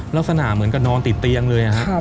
ลักษณะเหมือนกับนอนติดเตียงเลยครับ